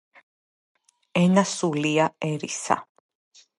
ენა სულია ერისა